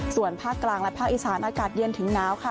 ส่วนภาคกลางและภาคอีสานอากาศเย็นถึงหนาวค่ะ